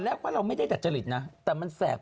อสตรงครับ